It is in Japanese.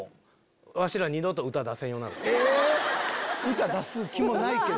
歌出す気もないけど。